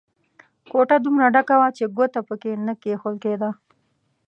کوټه دومره ډکه ده چې ګوته په کې نه کېښول کېده.